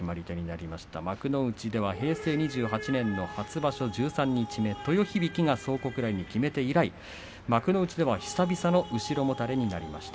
幕内では平成２８年初場所十三日目豊響が蒼国来にきめて以来幕内では久々の後ろもたれの決まり手です。